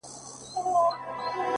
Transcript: و موږ ته يې د زلفو ښاماران مبارک’